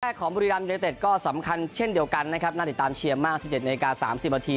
ของบุรีรัมยูเนเต็ดก็สำคัญเช่นเดียวกันนะครับน่าติดตามเชียร์มาก๑๗นาที๓๐นาที